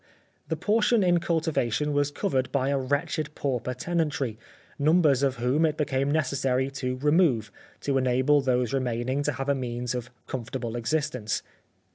The portion in cultivation was covered by a wretched pauper tenantry, numbers of whom it became necessary to remove to en able those remaining to have a means of com fortable existence.